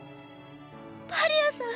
パリアさん！